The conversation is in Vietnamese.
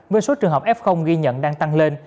với số trường hợp f ghi nhận đang tăng lên